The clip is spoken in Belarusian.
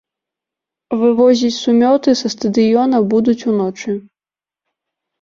Вывозіць сумёты са стадыёна будуць уночы.